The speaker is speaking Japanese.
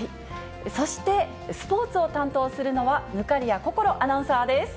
そしてスポーツを担当するのは、忽滑谷こころアナウンサーです。